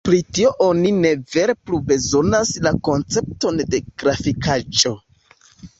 Pri tio oni ne vere plu bezonas la koncepton de grafikaĵo.